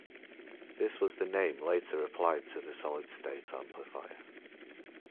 This was the name later applied to the solid-state amplifier.